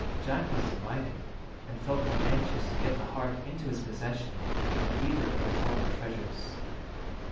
Jack was delighted, and felt more anxious to get the harp into his possession than either of the former treasures.